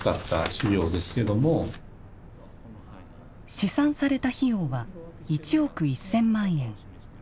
試算された費用は１億１０００万円。